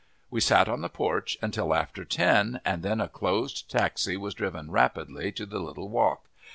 We sat on the porch until after ten, and then a closed taxi was driven rapidly to the little walk.